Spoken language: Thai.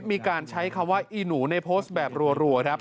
มีการใช้คำว่าอีหนูในโพสต์แบบรัวครับ